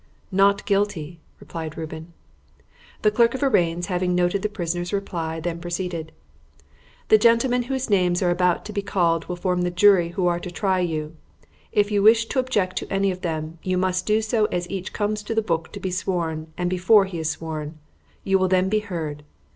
"Not guilty," replied Reuben. The Clerk of Arraigns, having noted the prisoner's reply, then proceeded "The gentlemen whose names are about to be called will form the jury who are to try you. If you wish to object to any of them, you must do so as each comes to the book to be sworn, and before he is sworn. You will then be heard."